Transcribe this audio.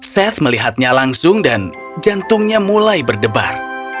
sets melihatnya langsung dan jantungnya mulai berdebar